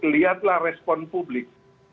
lihatlah respon publik